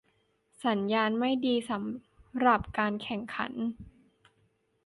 สัญญาณไม่ดีสำหรับการแข่งขัน